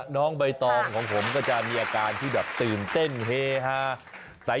น้องใบตองของผมก็จะมีอาการที่แบบตื่นเต้นเฮฮา